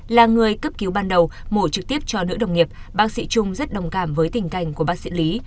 là người cấp cứu ban đầu mổ trực tiếp cho nữ đồng nghiệp bác sĩ trung rất đồng cảm với tình cảnh của bác sĩ lý